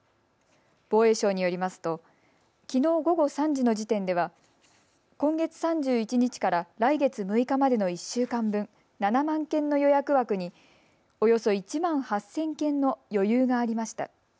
防衛省によりますときのう午後３時の時点では今月３１日から来月６日までの１週間分、７万件の予約枠におよそ１万８０００件の余裕がありました。